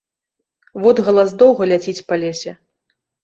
Водгалас доўга ляціць па лесе.